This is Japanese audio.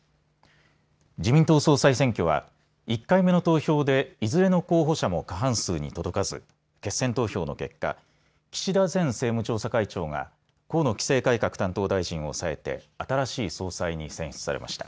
自民党総裁選挙は１回目の投票でいずれの候補者も過半数に届かず決選投票の結果、岸田前政務調査会長が河野規制改革担当大臣を抑えて新しい総裁に選出されました。